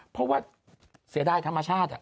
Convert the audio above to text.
เพราะว่าเสียดายธรรมชาติ